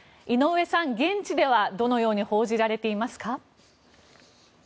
井上さん、現地ではどのように報じられていますか？